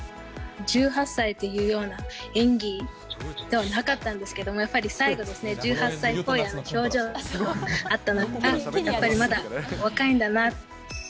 １８歳というような演技ではなかったんですけども、やっぱり最後ですね、１８歳っぽい表情もあったのが、やっぱりまだ若いんだな。